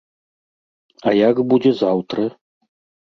А як будзе заўтра?